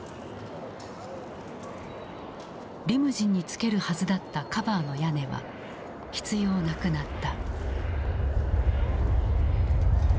リムジンに付けるはずだったカバーの屋根は必要なくなった。